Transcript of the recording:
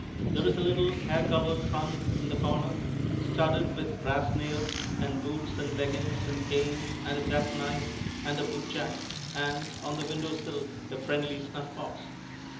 There is a little hair covered trunk in the corner, studded with brass nails, and boots and leggings and canes and a jackknife and a bootjack, and, on the window sill, a friendly snuffbox.